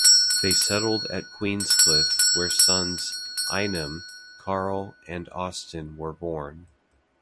They settled at Queenscliff where sons Einnim, Carl and Austin were born.